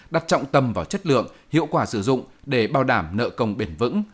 đặt trọng tâm vào chất lượng hiệu quả sử dụng để bảo đảm nợ công bền vững